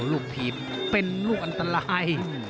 ลูกผีเป็นลูกอันตราย